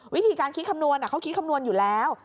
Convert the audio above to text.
วิธีการคิดคำนวณเขาคิดคำนวณอยู่แล้ว